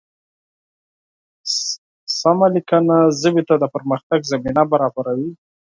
سمه لیکنه ژبې ته د پرمختګ زمینه برابروي.